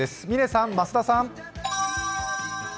嶺さん、増田さん。